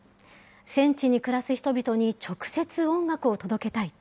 戦地に暮らす人々に直接音楽を届けたい。